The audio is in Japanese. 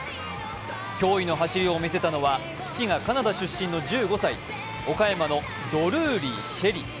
驚異の走りを見せたのは、父がカナダ出身の１５歳、岡山のドルーリー朱瑛里。